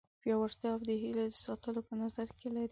پیاوړتیا او د هیلو د ساتلو په نظر کې لري.